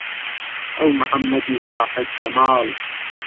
ئهو محەممەدی ساحێب جەماڵ